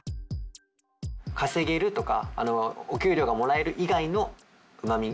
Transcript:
稼げるとかお給料がもらえる以外のうまみ。